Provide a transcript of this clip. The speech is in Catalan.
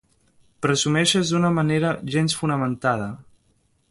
Presumeixes d'una manera gens fonamentada.